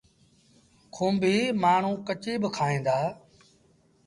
کونڀيٚ مآڻهوٚݩ ڪچيٚ با کائيٚݩ دآ۔